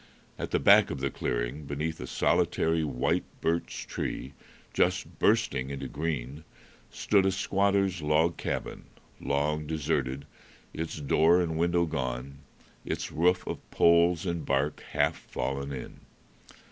At the back of the clearing, beneath a solitary white birch tree just bursting into green, stood a squatter's log cabin, long deserted, its door and window gone, its roof of poles and bark half fallen in.